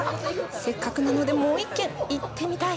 せっかくなので、もう一軒、行ってみたい！